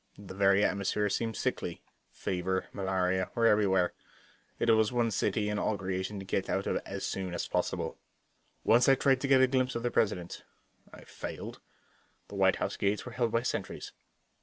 The very atmosphere seemed sickly; fever, malaria, were everywhere. It was the one city in all creation to get out of as soon as possible. Once I tried to get a glimpse of the President. I failed. The White House gates were held by sentries.